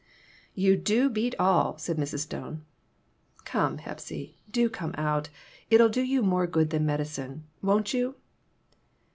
"You do beat all!" said Mrs. Stone. " Come, Hepsy, do come out ; it'll do you more good than medicine. Won't you?"